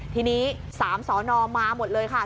ทีนี้๓สนมาหมดเลยค่ะ